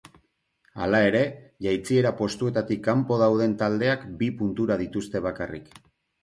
Hala ere, jaitsiera postuetatik kanpo dauden taldeak bi puntura dituzte bakarrik.